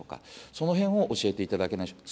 そのへんを教えていただけないでしょうか。